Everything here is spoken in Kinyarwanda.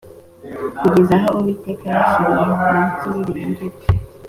kugeza aho Uwiteka yabashyiriye munsi y’ibirenge bye